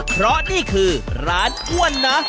เพราะนี่คือร้านอ้วนนะ